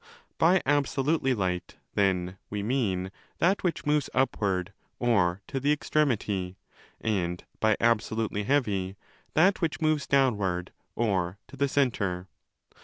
By absolutely light, then, we mean that which moves upward or to the extremity, and by absolutely 3° heavy that which moves downward or to the centre.